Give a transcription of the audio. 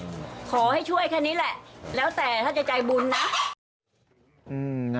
ขอให้ช่วยแค่นี้แหละแล้วแต่ถ้าจะใจบุญนะ